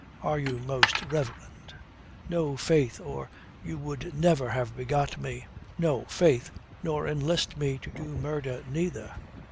Are you, most reverend? No, faith, or you would never have begot me. No, faith, nor enlist me to do murder neither.